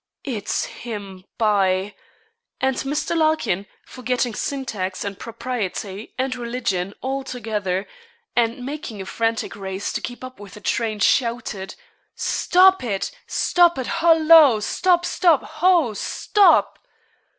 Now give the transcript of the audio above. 'It's him, by !' and Mr. Larkin, forgetting syntax, and propriety, and religion, all together, and making a frantic race to keep up with the train, shouted 'Stop it, stop it hollo! stop stop ho, stop!'